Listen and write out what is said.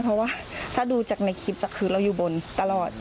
เพราะว่าถ้าดูจากในคลิปคือเราอยู่บนตลอด